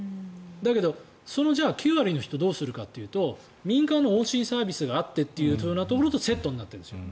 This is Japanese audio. だけど、その９割の人はどうするかというと民間の往診サービスがあってというところとセットになっているんですよ。